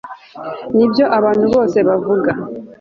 nibyo abantu bose bavuga